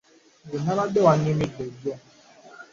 Gye nabadde wannyumidde jjo.